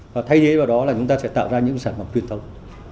và thay thế vào đó là chúng ta sẽ tạo ra những sản phẩm truyền thống